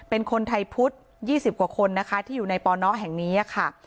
เป็นคนไทยพุทธ๒๐กว่าคนนะคะที่อยู่ในปนแห่งนี้ค่ะ